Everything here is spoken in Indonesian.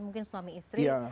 mungkin suami istri